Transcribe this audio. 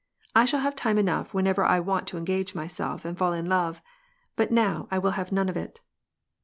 I shall have time eno whenever 1 want to engage myself and fall in love, but now will have none of it."